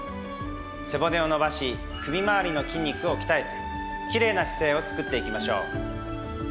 背骨を伸ばし首周りの筋肉を鍛えてきれいな姿勢を作っていきましょう。